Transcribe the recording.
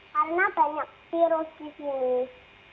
karena banyak virus di sini